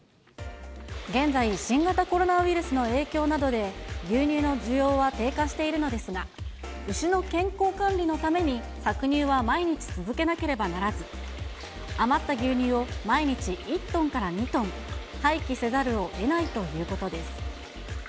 現在、新型コロナウイルスの影響などで牛乳の需要は低下しているのですが、牛の健康管理のために、搾乳は毎日続けなければならず、余った牛乳を毎日１トンから２トン、廃棄せざるをえないということです。